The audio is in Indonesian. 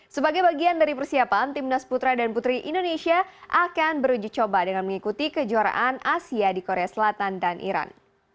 sebagai bagian dari persiapan timnas putra dan putri indonesia akan beruji coba dengan mengikuti kejuaraan asia di korea selatan dan iran